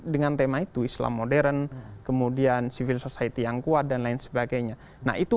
dengan tema itu islam modern kemudian civil society yang kuat dan lain sebagainya nah itu